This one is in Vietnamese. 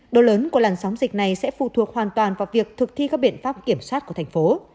độ lớn của làn sóng dịch này sẽ phụ thuộc hoàn toàn vào việc thực thi các biện pháp kiểm soát của thành phố